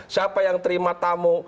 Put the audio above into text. siapa yang terima tamu